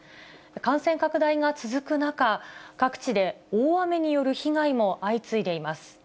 感染拡大が続く中、各地で大雨による被害も相次いでいます。